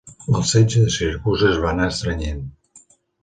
El setge a Siracusa es va anar estrenyent.